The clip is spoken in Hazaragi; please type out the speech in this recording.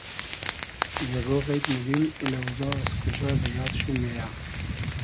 یئگۉ غݷد موگیم ای لۆزا از کوجا دۂ یاد شوم مېیۂ